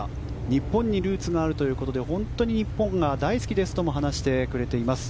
日本にルーツがあるということで本当に日本が大好きですとも話してくれています。